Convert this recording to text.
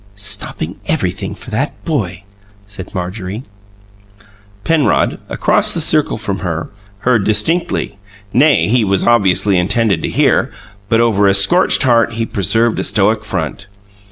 "Stopping everybody for that boy!" said Marjorie. Penrod, across the circle from her, heard distinctly nay, he was obviously intended to hear; but over a scorched heart he preserved a stoic front.